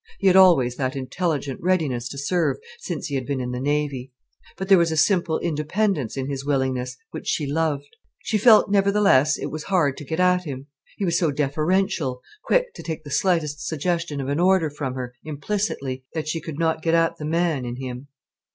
He had always that intelligent readiness to serve, since he had been in the Navy. But there was a simple independence in his willingness, which she loved. She felt nevertheless it was hard to get at him. He was so deferential, quick to take the slightest suggestion of an order from her, implicitly, that she could not get at the man in him.